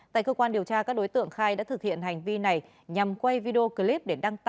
tại cơ quan điều tra các đối tượng khai đã thực hiện hành vi này nhằm quay video clip